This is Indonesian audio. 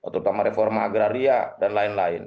terutama reforma agraria dan lain lain